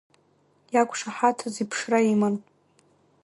Иақәшаҳаҭыз иԥшра иман.